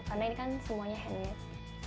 karena ini kan semuanya handmade